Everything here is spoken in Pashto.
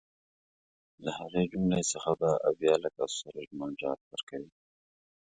له هغې جملې څخه به اویا لکه سورج مل جاټ ورکوي.